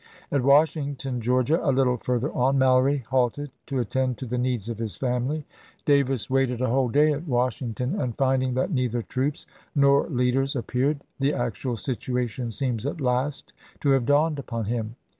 At Washington, Georgia, a little further on, Mallory halted " to attend to the needs of his family ." Davis waited a whole day at Washington, and finding that neither troops nor leaders appeared, the actual situation seems at last to have dawned upon him.